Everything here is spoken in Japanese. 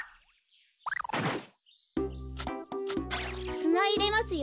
すないれますよ。